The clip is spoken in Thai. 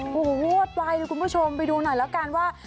โอ้โหโหดไปคุณผู้ชมไปดูหน่อยแล้วกันว่า